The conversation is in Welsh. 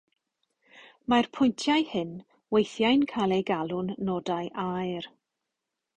Mae'r pwyntiau hyn weithiau'n cael eu galw'n nodau aer.